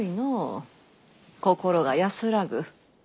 心が安らぐ。